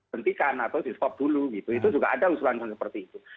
bentikan atau diskop dulu gitu itu juga ada usulan yang seperti itu